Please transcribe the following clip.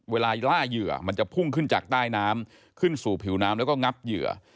เวลาล่าเหยื่อมันจะพุ่งขึ้นจากใต้น้ำขึ้นสู่ผิวน้ำแล้วก็งับเหยื่อ